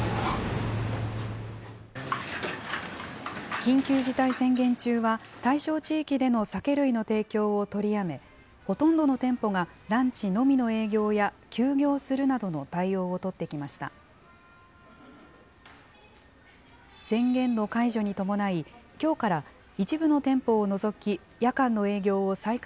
緊急事態宣言中は対象地域での酒類の提供を取りやめ、ほとんどの店舗がランチのみの営業や休業するなどの対応を取ってきました。